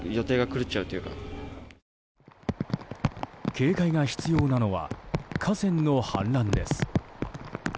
警戒が必要なのは河川の氾濫です。